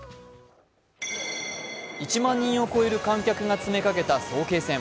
１万人を超える観客が詰めかけた早慶戦。